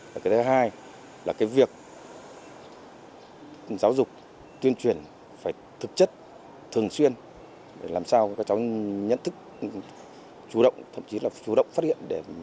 cái thứ hai là cái việc giáo dục tuyên truyền phải thực chất thường xuyên để làm sao các cháu nhận thức chủ động thậm chí là chủ động phát hiện để phối hợp với cơ quan công an đấu tranh triệt phá ngay